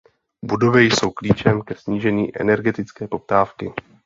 Budovy jsou klíčem ke snížení energetické poptávky.